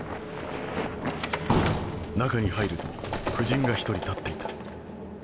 中に入ると夫人が１人立っていた。